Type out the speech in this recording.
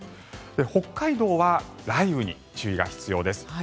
北海道は雷雨に注意が必要です。